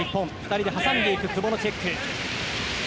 ２人で挟んでいく久保のチェック。